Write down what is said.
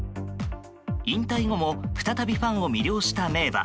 引退後も再びファンを魅了した名馬。